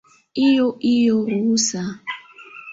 Hiyo hiyo ruhusa